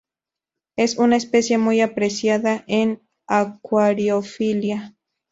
Es una especie muy apreciada en acuariofilia.